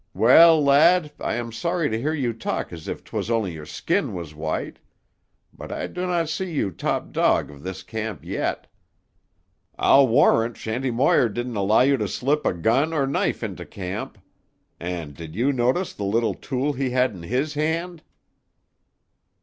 Well, lad, I am sorry to hear you talk as if 'twas only your skin was white. But I do not see you top dog of this camp yet. I'll warrant Shanty Moir didn't allow you to slip a gun or knife into camp. And did you notice the little tool he had in his hand?"